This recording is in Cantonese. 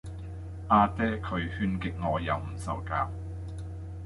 啊爹佢勸極我又唔受教